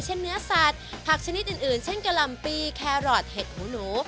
เนื้อสัตว์ผักชนิดอื่นเช่นกะหล่ำปีแครอทเห็ดหูหนู